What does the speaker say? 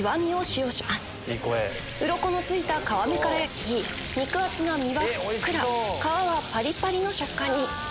ウロコのついた皮目から焼き肉厚な身はふっくら皮はパリパリの食感に。